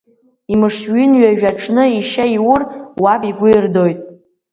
Имышҩынҩажәа аҽны ишьа иур, уаб игәы ирдоит.